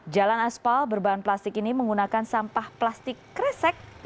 jalan aspal berbahan plastik ini menggunakan sampah plastik kresek